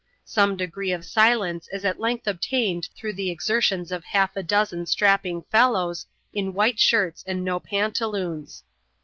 Some degree of silence is at length obtained through the exertions of half a dozen strapping fellows, in white shirts and no pantaloons.